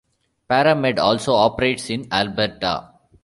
ParaMed also operates in Alberta.